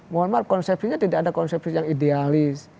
mohon maaf konsepsinya tidak ada konsepsi yang idealis